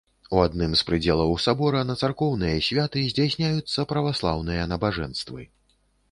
У адным з прыдзелаў сабора на царкоўныя святы здзяйсняюцца праваслаўныя набажэнствы.